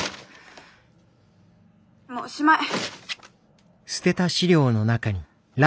もうおしまい。